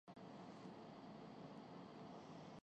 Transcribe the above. احتساب کا مذاق اڑایا جا رہا تھا۔